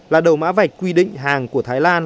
là đầu mã vạch quy định hàng của thái lan